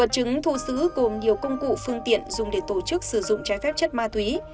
chứng thu giữ gồm nhiều công cụ phương tiện dùng để tổ chức sử dụng trái phép chất ma túy